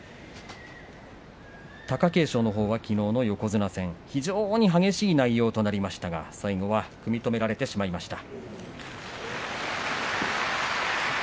貴景勝は、きのうの横綱戦激しい内容となりましたが組み止められてしまいました。